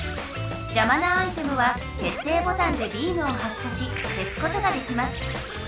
じゃまなアイテムはけっていボタンでビームを発射しけすことができます。